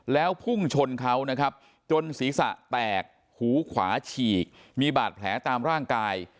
แล้วพุ่งชนเขานะครับจนศีรษะแตกหูขวาฉีกมีบาดแผลตามร่างกาย